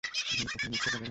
ঝিনুক কখনও মিথ্যা বলে না।